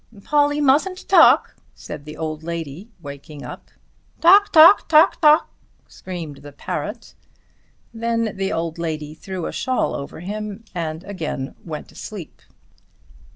"Polly mustn't talk," said the old lady waking up. "Tok, tok, tok, tok," screamed the parrot. Then the old lady threw a shawl over him and again went to sleep.